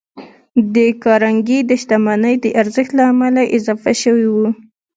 د کارنګي د شتمنۍ د ارزښت له امله اضافه شوي وو.